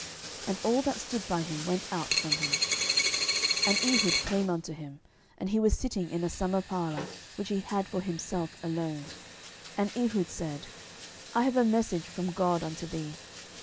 And all that stood by him went out from him. 07:003:020 And Ehud came unto him; and he was sitting in a summer parlour, which he had for himself alone. And Ehud said, I have a message from God unto thee.